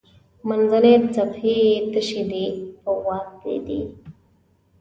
منځنۍ صفحې یې تشې دي په واک کې دي.